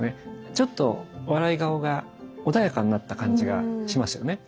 ちょっと笑い顔が穏やかになった感じがしますよね。